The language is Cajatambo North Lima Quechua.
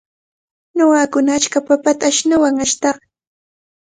Nunakuna achka papata ashnukunawan ashtan.